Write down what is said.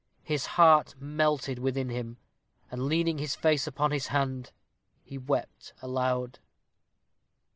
His heart melted within him; and leaning his face upon his hand, he wept aloud.